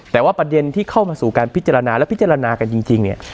แต่ว่าประเด็นที่เข้ามาสู่การพิจารณาและพิจารณากันจริงเนี่ย